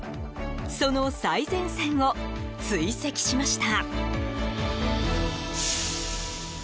その最前線を追跡しました。